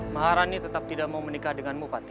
maharani tetap tidak mau menikah denganmu pati